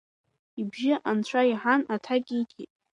Ибжьы анцәа иаҳан, аҭак ииҭеит…